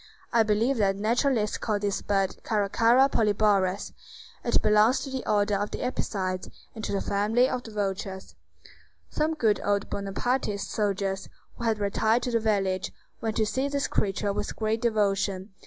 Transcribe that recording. I believe that naturalists call this bird Caracara Polyborus; it belongs to the order of the Apicides, and to the family of the vultures. Some good old Bonapartist soldiers, who had retired to the village, went to see this creature with great devotion.